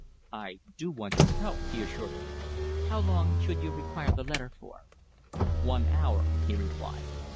"I do want your help," he assured her. "How long should you require the letter for?" "One hour," he replied.